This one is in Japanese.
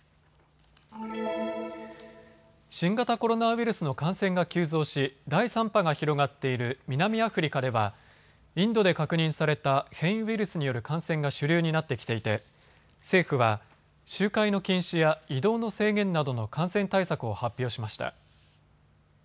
新型コロナウイルスの感染が急増し第３波が広がっている南アフリカではインドで確認された変異ウイルスによる感染が主流になってきていて政府は集会の禁止や移動の制限などの感染対策を発表しました。